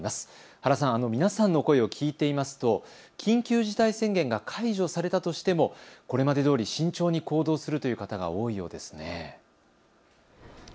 原さん、皆さんの声を聞いていますと緊急事態宣言が解除されたとしてもこれまでどおり慎重に行動するという方が多いようですね。